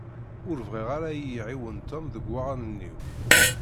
Ur bɣiɣ ara ad iyi-iɛiwen Tom deg waɣanen-iw.